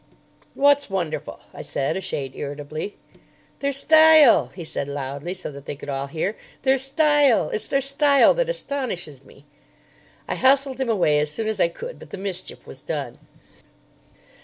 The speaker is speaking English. "What's wonderful?" I said, a shade irritably. "Their style," he said loudly, so that they could all hear, "their style. It's their style that astonishes me." I hustled him away as soon as I could, but the mischief was done.